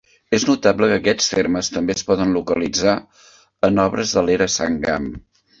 És notable que aquests termes també es poden localitzar en obres de l'era Sangam.